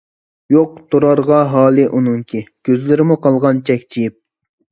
يوق تۇرارغا ھالى ئۇنىڭكى، كۆزلىرىمۇ قالغان چەكچىيىپ.